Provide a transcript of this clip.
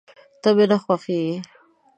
ته مي نه خوښېږې !